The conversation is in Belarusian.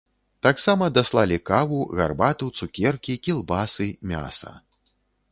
Таксама даслалі каву, гарбату, цукеркі, кілбасы, мяса.